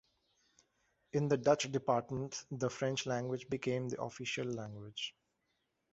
In the Dutch departments the French language became the official language.